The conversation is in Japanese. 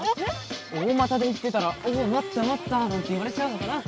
おおまたで行ってたら「おおまったまった」なんて言われちゃうのかな。